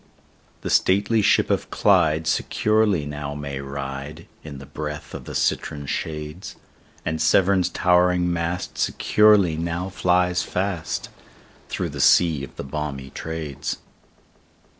The stately ship of Clyde securely now may ride, In the breath of the citron shades; And Severn's towering mast securely now flies fast, Through the sea of the balmy Trades.